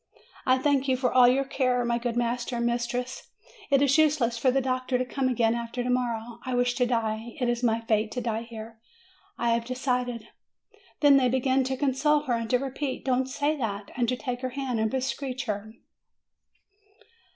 I thank you for all your care, my good master and mis tress. It is useless for the doctor to come again after to morrow. I wish to die. It is my fate to die here. I have decided." Then they began again to console her, and to repeat, "Don't say that," and to take her hand and be seech her.